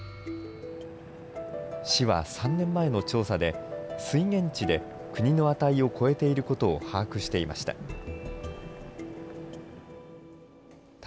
市は３年前の調査で水源地で国の値を超えていることを把握していました。